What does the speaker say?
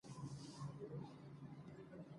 ښې غلې دانې او رنگا رنگ میوې لري،